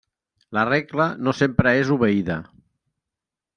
La regla no sempre és obeïda.